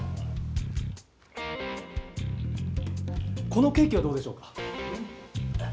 このケーキはどうでしょうか？